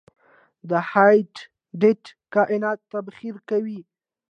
د هیټ ډیت کائنات تبخیر کوي.